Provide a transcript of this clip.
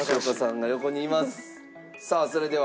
さあそれでは。